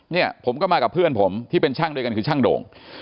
เนี่ยผมก็มากับเพื่อนผมที่เป็นช่างด้วยกันคือช่างโด่ง